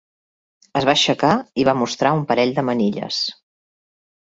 Es va aixecar i va mostrar un parell de manilles.